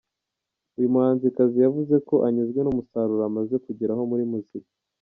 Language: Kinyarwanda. Uyu muhanzikazi yavuze ko anyuzwe n’umusasuro amaze kugeraho muri muzika.